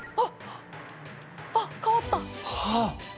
あ変わった！